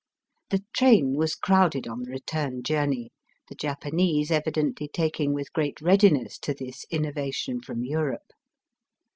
The train was crowded on the return journey, the Japanese evidently taking with great readiness to this innovation from Europe.